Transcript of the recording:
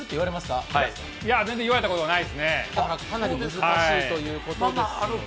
かなり難しいということですね。